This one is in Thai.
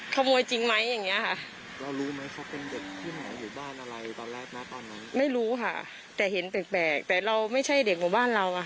ตอนนั้นไม่รู้ค่ะแต่เห็นแปลกแปลกแต่เราไม่ใช่เด็กหมู่บ้านเราอะค่ะ